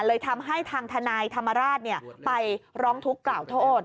เลยทำให้ทางทนายธรรมราชไปร้องทุกข์กล่าวโทษ